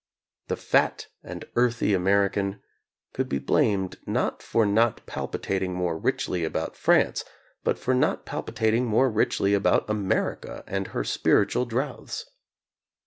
The fat and earthy American could be blamed not for not palpitating more richly about France, but for not palpitating more richly about America and her spiritual drouths.